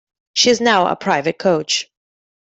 She is now a private coach.